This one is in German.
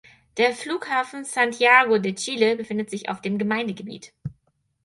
Der Flughafen Santiago de Chile befindet sich auf dem Gemeindegebiet.